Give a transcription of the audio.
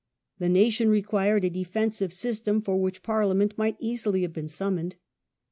The nation required a defen sive system for which Parliament might easily have been summoned.